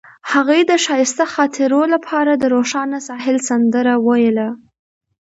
هغې د ښایسته خاطرو لپاره د روښانه ساحل سندره ویله.